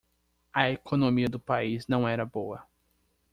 A economia do país não era boa.